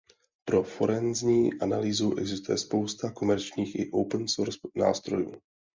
Pro forenzní analýzu existuje spousta komerčních i open source nástrojů.